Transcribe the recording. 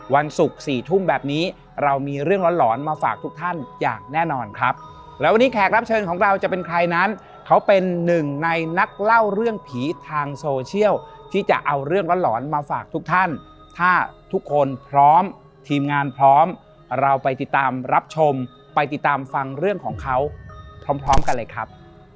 วันศุกร์สี่ทุ่มแบบนี้เรามีเรื่องร้อนหลอนมาฝากทุกท่านอย่างแน่นอนครับแล้ววันนี้แขกรับเชิญของเราจะเป็นใครนั้นเขาเป็นหนึ่งในนักเล่าเรื่องผีทางโซเชียลที่จะเอาเรื่องร้อนหลอนมาฝากทุกท่านถ้าทุกคนพร้อมทีมงานพร้อมเราไปติดตามรับชมไปติดตามฟังเรื่องของเขาพร้อมพร้อมกันเลยครับ